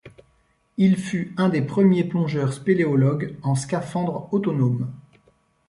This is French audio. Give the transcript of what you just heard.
Il fut un des premiers plongeurs spéléologues en scaphandre autonome.